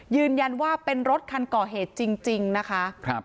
ยืนยันว่าเป็นรถคันก่อเหตุจริงนะคะ